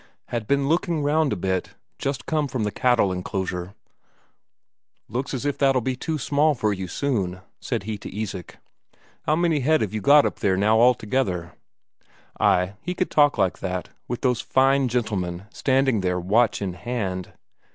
Had been looking round a bit just come from the cattle enclosure. "Looks as if that'll be too small for you soon," said he to Isak. "How many head have you got up there now altogether?" Ay, he could talk like that, with those fine gentlemen standing there watch in hand.